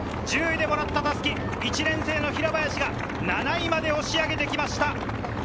１０位でもらった襷、１年生・平林が７位まで押し上げてきました。